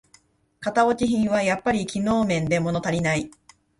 型落ち品はやっぱり機能面でものたりない